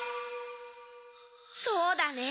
そうだね。